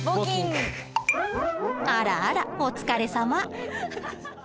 あらあらお疲れさま。